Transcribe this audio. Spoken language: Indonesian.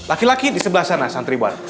laki laki di sebelah sana santriwan